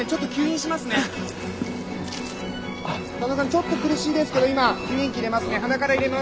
ちょっと苦しいですけど今吸引器入れますね